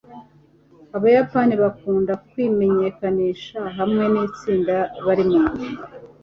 abayapani bakunda kwimenyekanisha hamwe nitsinda barimo